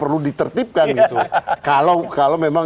ya itu harus ditertipkan gitu kalau memang